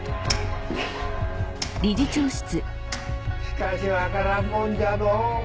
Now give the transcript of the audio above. しかし分からんもんじゃのう。